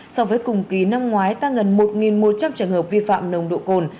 so với cùng kỳ năm ngoái tăng gần một một trăm linh trường hợp vi phạm nồng độ cồn